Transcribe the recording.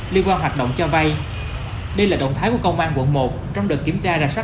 liên quan hoạt động cho vay đây là động thái của công an quận một trong đợt kiểm tra rà soát